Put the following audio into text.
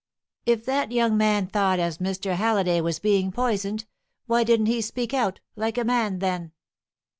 If that young man thought as Mr. Halliday was being poisoned, why didn't he speak out, like a man, then?